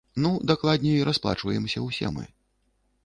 Ну, дакладней, расплачваемся ўсе мы.